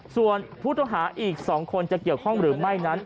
ส่วนผู้ต้องหาอีก๒คนจะเกี่ยวข้องหรือไม่นั้น